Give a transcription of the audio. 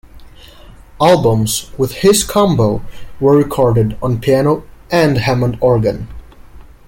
Albums with his combo were recorded on piano and Hammond organ.